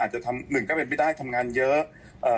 หนึ่งก็เป็นไม่ได้ทำงานเยอะ